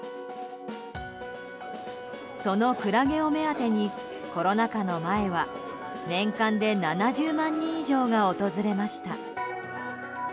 そのクラゲを目当てにコロナ禍の前は年間で７０万人以上が訪れました。